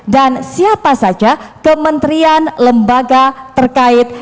dan siapa saja kementerian lembaga terkait